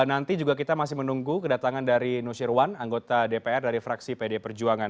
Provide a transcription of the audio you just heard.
nanti juga kita masih menunggu kedatangan dari nusirwan anggota dpr dari fraksi pd perjuangan